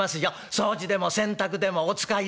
掃除でも洗濯でもお使いでも」。